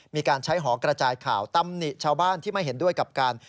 มีการใช้หอกระจายข่าวตำหนิชาวบ้านที่ไม่เห็นด้วยกับการ